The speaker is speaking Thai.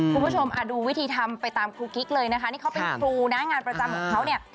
คุณผู้ชมดูวิธีทำไปตามครูกิ๊กเลยนะคะนี่เขาเป็นครูนะงานประจำของเขาเนี่ย